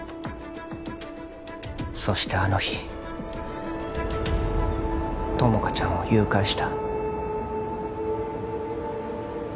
そしてあの日友果ちゃんを誘拐した